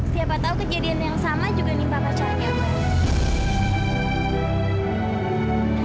siapa tau kejadian yang sama juga nimpa pacarnya mba